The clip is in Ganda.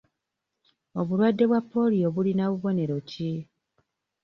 Obulwadde bwa pooliyo bulina bubonero ki?